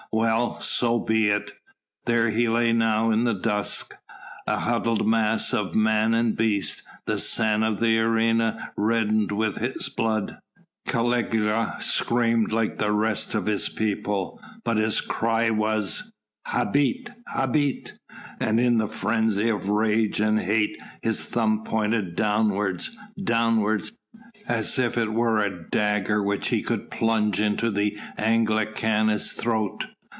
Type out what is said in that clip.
Well, so be it! There he lay now in the dust, a huddled mass of man and beast, the sand of the arena reddened with his blood. Caligula screamed like the rest of his people, but his cry was: "Habet! Habet! Habet!" And in a frenzy of rage and hate his thumb pointed downwards, downwards, as if it were a dagger which he could plunge into the Anglicanus' throat.